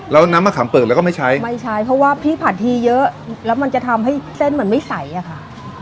แล้วน้ำมะขามเปิดแล้วก็ไม่ใช้ไม่ใช้เพราะว่าพี่ผัดทีเยอะแล้วมันจะทำให้เส้นมันไม่ใสอะค่ะ